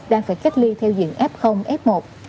đang phải cách ly theo diện f f một